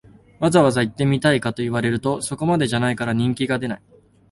わざわざ行ってみたいかと言われると、そこまでじゃないから人気が出ない